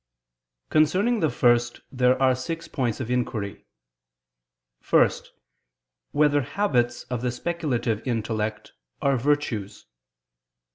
Concerning the first there are six points of inquiry: (1) Whether habits of the speculative intellect are virtues?